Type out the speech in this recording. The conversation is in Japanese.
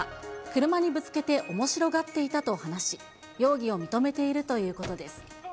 車にぶつけておもしろがっていたと話し、容疑を認めているということです。